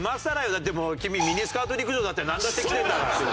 だって君ミニスカート陸上だってなんだって来てるんだから。